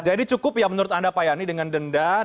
jadi cukup ya menurut anda pak yani dengan denda itu